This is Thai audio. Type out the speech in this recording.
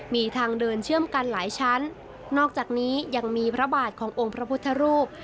มีทางเดินเชื่อมกันหลายชั้นนอกจากนี้ยังมีพระบาทขององค์พระพุทธรูป